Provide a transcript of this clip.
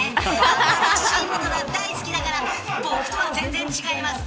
新しいものが大好きだから僕とは全然違います。